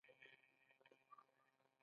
د کبانو د خوراکې تولید شته